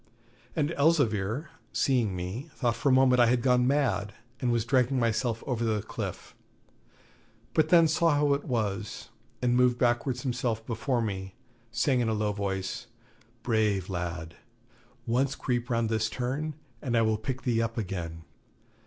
And Elzevir, seeing me, thought for a moment I had gone mad, and was dragging myself over the cliff; but then saw how it was, and moved backwards himself before me, saying in a low voice, 'Brave lad! Once creep round this turn, and I will pick thee up again.